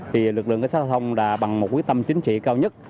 thì lực lượng công an tp hcm bằng một quyết tâm chính trị cao nhất